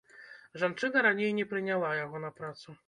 Жанчына раней не прыняла яго на працу.